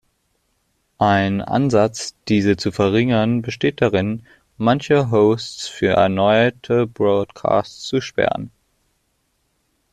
Ein Ansatz, diese zu verringern, besteht darin, manche Hosts für erneute Broadcasts zu sperren.